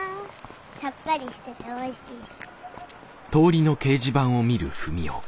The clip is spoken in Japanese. さっぱりしてておいしいし。